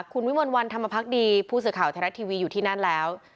คุณวิมลวันธรรมพักดีผู้สื่อข่าวไทยรัฐทีวีอยู่ที่นั่นแล้ว